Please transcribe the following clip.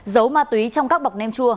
dấu ma túy trong các bọc nem chua